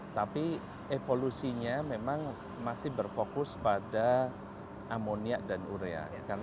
tapi evolusinya memang masih berfokus pada amoniak dan diperusahaan